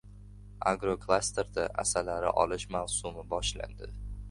Agroklasterda asalari olish mavsumi boshlandi